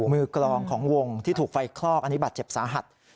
กลองของวงที่ถูกไฟคลอกอันนี้บาดเจ็บสาหัส